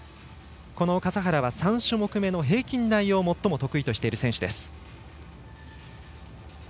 笠原は３種目めの平均台を最も得意としている選手です。